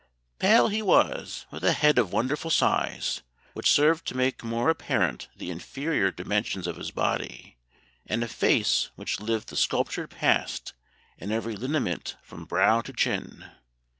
] "Pale he was, with a head of wonderful size, which served to make more apparent the inferior dimensions of his body, and a face which lived the sculptured past in every lineament from brow to chin.